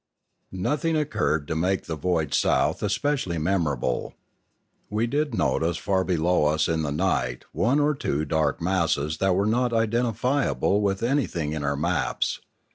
Nothing occurred to make the voyage south espe cially memorable. We did notice far below us in the night one or two dark masses that were not identifiable with anything in our maps.